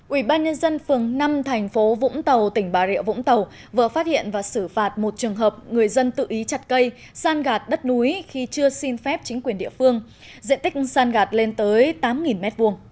ủy ban nhân dân phường năm thành phố vũng tàu tỉnh bà rịa vũng tàu vừa phát hiện và xử phạt một trường hợp người dân tự ý chặt cây san gạt đất núi khi chưa xin phép chính quyền địa phương diện tích san gạt lên tới tám m hai